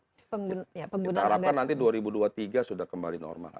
kita harapkan nanti dua ribu dua puluh tiga sudah kembali normal